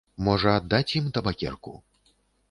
Можа, аддаць ім табакерку?